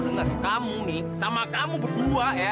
dengar kamu nih sama kamu berdua ya